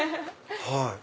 はい。